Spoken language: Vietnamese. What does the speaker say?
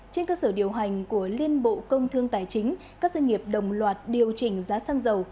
trên cơ sở điều hành của liên bộ công thương tài chính các doanh nghiệp đồng loạt điều chỉnh giá xăng dầu